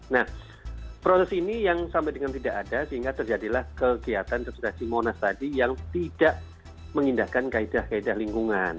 nah proses ini yang sampai dengan tidak ada sehingga terjadilah kegiatan vaksinasi monas tadi yang tidak mengindahkan kaedah kaedah lingkungan